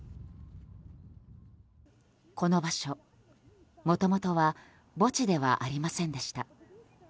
この場所、もともとは墓地ではありませんでした。